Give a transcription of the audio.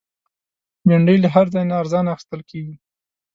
بېنډۍ له هر ځای نه ارزانه اخیستل کېږي